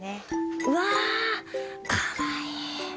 うわかわいい。